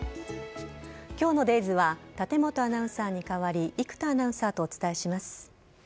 今日の「ｄａｙｓ」は立本アナウンサーに代わり生田アナウンサーとお伝えします。